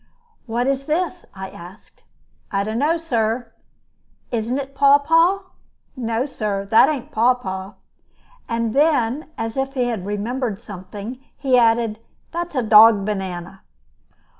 "What is this?" I asked. "I dunno, sir." "Isn't it papaw?" "No, sir, that ain't papaw;" and then, as if he had just remembered something, he added, "That's dog banana."